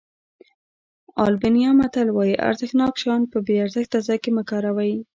آلبانیا متل وایي ارزښتناک شیان په بې ارزښته ځای کې مه کاروئ.